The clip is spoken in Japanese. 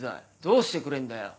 どうしてくれんだよ